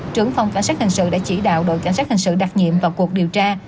trưởng phòng cảnh sát hình sự đã chỉ đạo đội cảnh sát hình sự đặc nhiệm vào cuộc điều tra